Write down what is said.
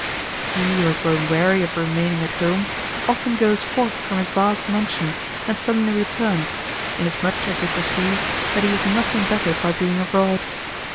He, who has grown weary of remaining at home, often goes forth from his vast mansion, and suddenly returns, inas much as he perceives that he is nothing bettered by being abroad.